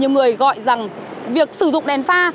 nhiều người gọi rằng việc sử dụng đèn pha